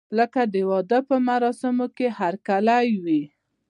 لکه د واده په مراسمو کې هرکلی وي.